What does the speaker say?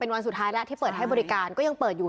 วันสุดท้ายแล้วที่เปิดให้บริการก็ยังเปิดอยู่